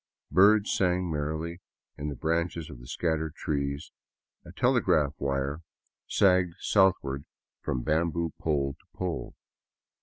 Birds sang merrily in the branches of the scattered trees ; a telegraph wire sagged southward from bamboo pole to pole.